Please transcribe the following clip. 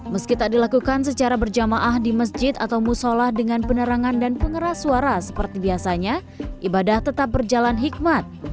meski tak dilakukan secara berjamaah di masjid atau musola dengan penerangan dan pengeras suara seperti biasanya ibadah tetap berjalan hikmat